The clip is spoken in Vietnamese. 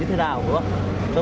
thế nào đúng không